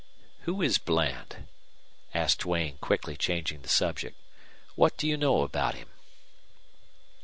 "Who is Bland?" asked Duane, quickly changing the subject. "What do you know about him?"